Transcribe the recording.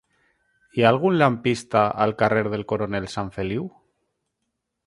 Hi ha algun lampista al carrer del Coronel Sanfeliu?